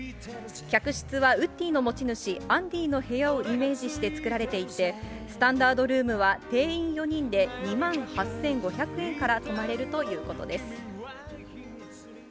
客室はウッディの持ち主、アンディの部屋をイメージして作られていて、スタンダードルームは定員４人で、２万８５００円から泊まれるということです。